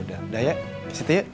udah ya ke sini yuk